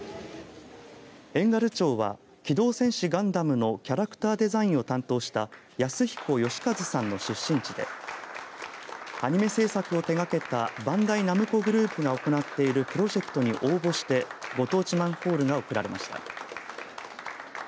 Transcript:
遠軽町は機動戦士ガンダムのキャラクターデザインを担当した安彦良和さんの出身地でアニメ制作を手がけたバンダイナムコグループが行っているプロジェクトに応募してご当地マンホールが贈られました。